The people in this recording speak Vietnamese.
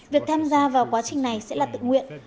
việc tham gia vào quá trình này sẽ là tự nguyện